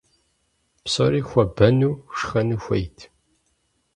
Псори хуэбэну, шхэну хуейт.